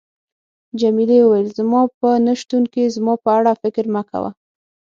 جميلې وويل: زما په نه شتون کې زما په اړه فکر مه کوه.